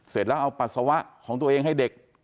เสร็จแล้วเอาปัสสาวะของตัวเองให้เด็ก